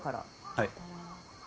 はい。